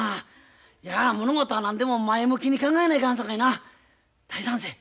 いや物事は何でも前向きに考えないかんさかいな大賛成。